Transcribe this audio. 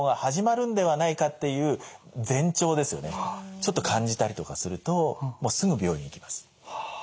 ちょっと感じたりとかするともうすぐ病院に行きます。